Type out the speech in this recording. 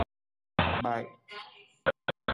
Boko Haram claimed responsibility for all the attacks.